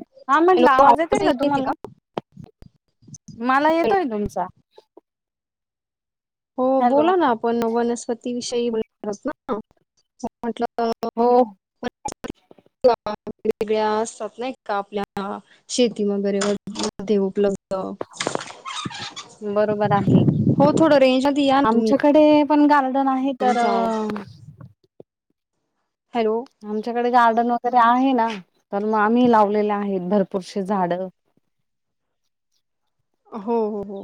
हां, म्हटलं आवाज येतोय का, तुम्हाला? माला हॅलो. येतोय, तुमचा. हो, हॅलो बोला ना, आपण वनस्पती विषयी, बोलणारत ना, म्हटलं. हो. [unintelligible] वेगळ्या असतात नाही का, आपल्या? शेती वगैरे [unintelligible] मध्ये उपलब्ध. बरोबर आहे. हो थोडं रेंज मध्ये, या ना तुम्ही. कडे, पण गार्डन आहे तर तुमचा आवाज हॅलो? आमच्याकडे गार्डन वगैरे आहे ना, तर मग आम्ही लावलेले आहेत, भरपूर शे झाडं. हो हो हो.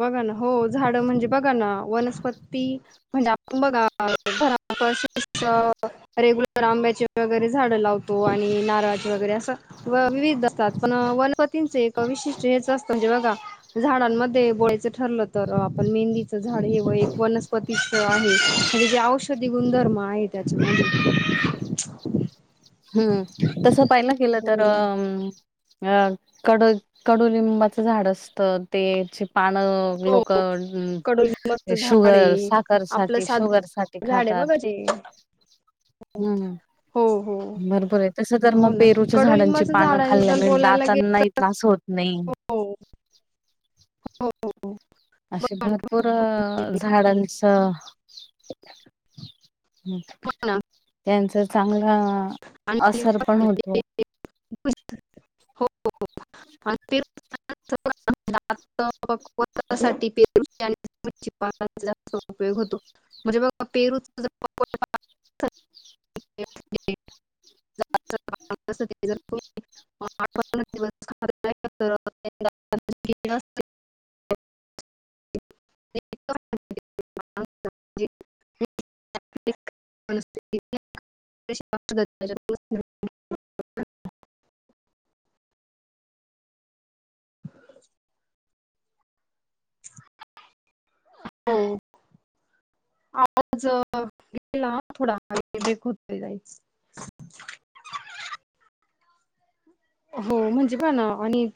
बघा ना, हो झाडं, म्हणजे बघा ना, वनस्पती म्हणजे आपण बघा, घाराच [unintelligible] रेग्युलर आंब्याचे वगैरे, झाडं लावतो आणि नारळाचे वगैरे, असं व-विविधता, पण वनपतींचे एक विशिष्ट हेच असतं, म्हणजे बघा झाडांमध्ये उबवायचं ठरलं, तर आपण मेहंदीचं झाड, हे एक वय-वनस्पती [unintelligible] आहे, म्हणजे जे औषधी गुणधर्म आहे, त्याच्या मध्ये हम्म, तसं पाहिला गेलं, हो. तर अ अ, कड-कडुलिंबाचं झाड असतं, ते चिप पानं, हो ग्लुको, कडुलिंबाचं शुगर, साखर साठी, शुगर साठी झाडे खातात बघाची हम्म. हो हो. बरोबर ये, तस तर हो मग ना पेरूच्या, झाडांची कडुलिंबाच्या पानं, झाडांबद्दल खाल्ल्याने बोलायला गेलं दातांनाही, तर त्रास होत नही. हो हो हो हो अशे, भरपूर झाडांचं ह्म, त्यांचं चांगला असर, पण होतो. हो ते [unintelligible] ना उपयोग होतो [unintelligible] म्हणजे बघा पेरू [unintelligible] [unintelligible] आठन् दिवस [unintelligible] [unintelligible] म [unintelligible] [unintelligible] आवाज थोडा व ब्रेक होत जायच. हो म्हणजे पहाणा आणि.